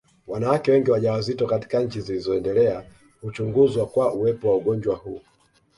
Wanawake wengi wajawazito katika nchi zilizoendelea huchunguzwa kwa uwepo wa ugonjwa huu